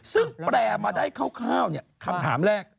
ซึ่งแปลมาได้คร่าวคำถามแรก